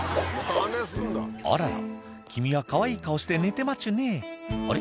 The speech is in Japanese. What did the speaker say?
あら君はかわいい顔して寝てまちゅねあれ？